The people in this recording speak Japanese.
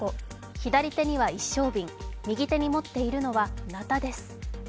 左手には一升瓶右手に持っているのはなたです。